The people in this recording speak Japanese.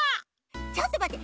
ちょっとまって！